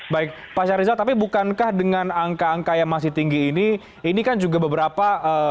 baik pak syarizal tapi bukankah dengan angka angka yang masih tinggi ini ini kan juga beberapa